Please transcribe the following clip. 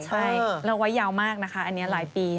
ใช่แล้วไว้ยาวมากนะคะอันนี้หลายปี